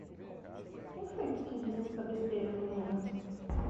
Quem foi que te disse essa besteira menina?